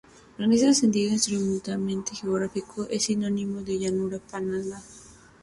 En este sentido estrictamente geográfico, es sinónimo de llanura padana.